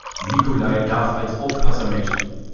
Nikolai darf als Aufpasser mit.